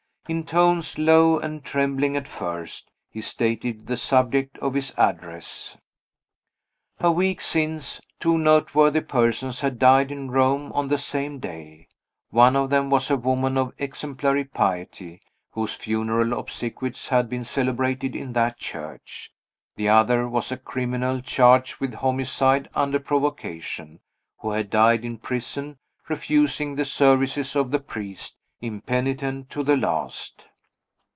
In tones low and trembling at first, he stated the subject of his address. A week since, two noteworthy persons had died in Rome on the same day. One of them was a woman of exemplary piety, whose funeral obsequies had been celebrated in that church. The other was a criminal charged with homicide under provocation, who had died in prison, refusing the services of the priest impenitent to the last.